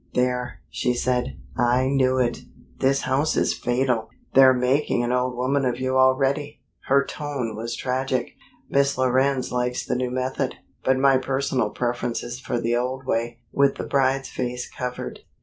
"There," she said "I knew it! This house is fatal! They're making an old woman of you already." Her tone was tragic. "Miss Lorenz likes the new method, but my personal preference is for the old way, with the bride's face covered."